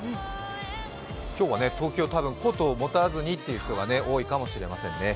今日は東京、コートを持たずにという人が多いかもしれませんね。